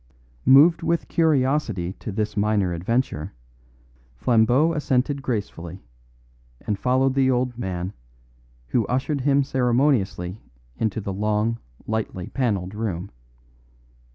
Moved with curiosity to this minor adventure, Flambeau assented gracefully, and followed the old man, who ushered him ceremoniously into the long, lightly panelled room.